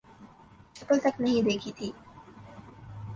شکل تک نہیں دیکھی تھی